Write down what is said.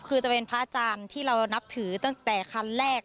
คือจะเป็นพระอาจารย์ที่เรานับถือตั้งแต่คันแรก